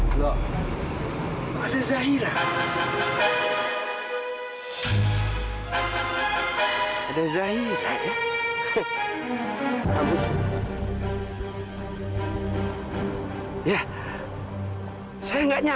jadi yangsub tema saya